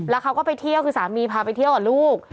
แล้วเขาก็ไปเที่ยวคือสามีพาไปเที่ยวกับลูก